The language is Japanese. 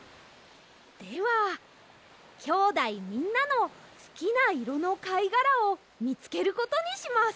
ではきょうだいみんなのすきないろのかいがらをみつけることにします。